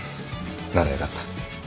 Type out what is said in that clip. ならよかった。